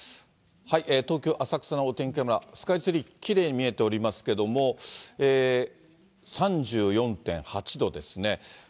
東京・浅草のお天気カメラ、スカイツリー、きれいに見えておりますけれども、３４．８度ですね。